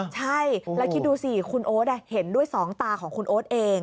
ใช่แล้วคิดดูสิคุณโอ๊ตเห็นด้วยสองตาของคุณโอ๊ตเอง